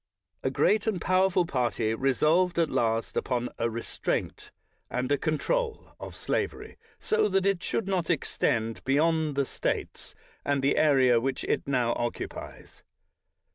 A great and powerful partj' resolved at least upon a restraint and a control of slavery, so that it should not extend beyond the States and the area which it now occupies.